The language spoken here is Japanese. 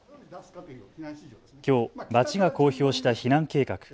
きょう町が公表した避難計画。